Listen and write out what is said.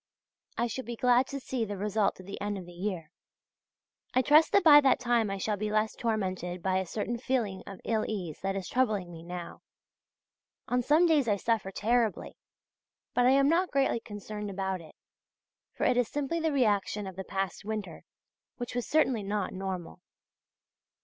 I shall be glad to see the result at the end of the year. I trust that by that time I shall be less tormented by a certain feeling of ill ease that is troubling me now. On some days I suffer terribly! but I am not greatly concerned about it, for it is simply the reaction of the past winter, which was certainly not normal.